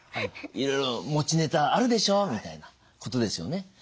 「いろいろ持ちネタあるでしょ」みたいなことですよね。